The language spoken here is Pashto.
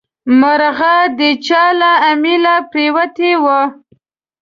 مرغلره د چا له امیله پرېوتې وي.